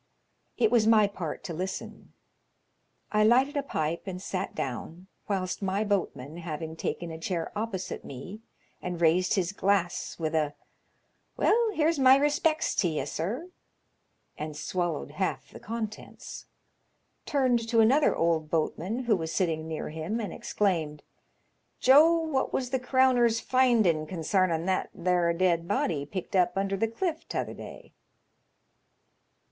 It was my part to listen. I lighted a pipe and sat down, whilst my boatman, having taken a chair opposite me and raised his glass with a "Well, here's my respects to ye, sir," and swallowed half the contents, turned to another old boatman who was sitting near him, and exclaimed, " Joe, what was the crowner's findin' consarning that there dead body picked up under the cliff t'other day